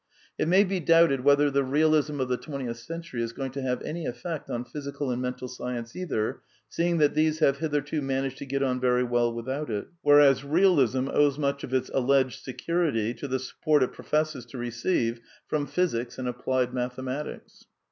It may be doubted whether the Eealism of the twentieth century is going to have any effect on physical and mental science either, seeing that these have hitherto managed to get on very well without it; whereas Eealism Ih owes much of its alleged security to the support it professes I' to receive from physics and applied mathematics.